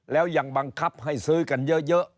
แล้วยังบังคับให้ซื้อกันเยอะ